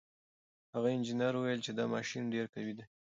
هغه انجنیر وویل چې دا ماشین ډېر قوي دی.